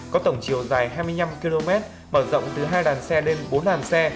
có tổng chiều dài hai mươi năm km mở rộng từ hai đàn xe đến bốn đàn xe